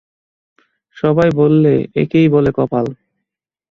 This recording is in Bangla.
সবাই বললে একেই বলে কপাল!